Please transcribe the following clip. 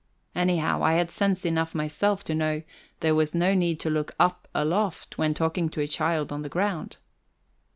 Anyhow, I had sense enough myself to know there was no need to look up aloft when talking to a child on the ground.